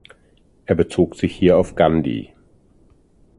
Er bezog sich hier auf Gandhi.